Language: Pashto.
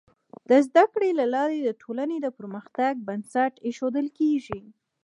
د زده کړې له لارې د ټولنې د پرمختګ بنسټ ایښودل کيږي.